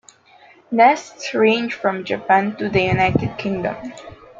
Nests ranged from Japan to the United Kingdom.